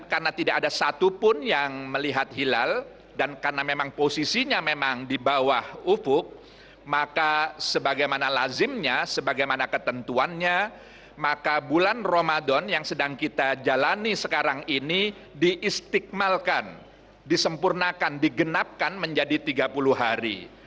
karena tidak ada satupun yang melihat hilal dan karena memang posisinya memang di bawah ufuk maka sebagaimana lazimnya sebagaimana ketentuannya maka bulan ramadan yang sedang kita jalani sekarang ini diistigmalkan disempurnakan digenapkan menjadi tiga puluh hari